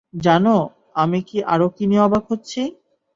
জানো আমি আরও কী নিয়ে অবাক হচ্ছি?